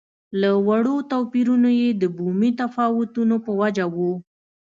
له وړو توپیرونو چې د بومي تفاوتونو په وجه وو.